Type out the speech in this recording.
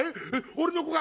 俺の子か？」。